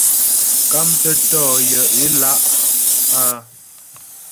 Mkámtə́ tɔ̌ yaə̌ ě lá' a.